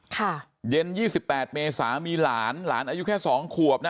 เย็นยี่สิบแปดเมษามีหลานหลานอายุแค่สองขวบนะ